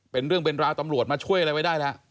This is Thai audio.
เป็นเรื่องเป็นราวตำรวจมาช่วยอะไรไว้ได้แล้ว